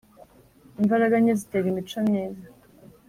Imbaraga nke zitera imico myiza.